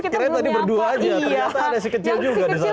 keren tadi berdua aja ternyata ada si kecil juga disana